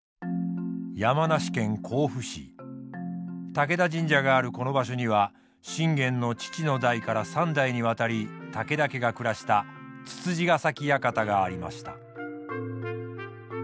武田神社があるこの場所には信玄の父の代から三代にわたり武田家が暮らした躑躅ヶ崎館がありました。